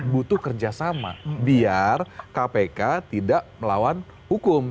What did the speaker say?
butuh kerjasama biar kpk tidak melawan hukum